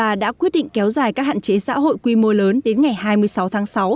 và đã quyết định kéo dài các hạn chế xã hội quy mô lớn đến ngày hai mươi sáu tháng sáu